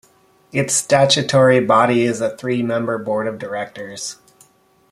Its statutory body is a three-member Board of directors.